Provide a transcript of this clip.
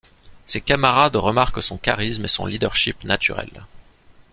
Ses camarades remarquent son charisme et son leadership naturels.